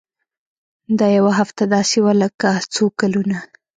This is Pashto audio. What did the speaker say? دا يوه هفته داسې وه لکه څو کلونه.